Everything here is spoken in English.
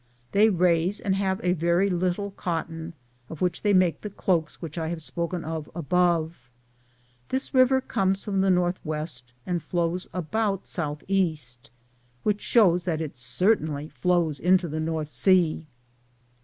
* They raise and have a very little cotton, of which they make the cloaks which I have spoken of above. This river conies from the northwest and flows about southeast, which shows that it certainly flows into the North sea.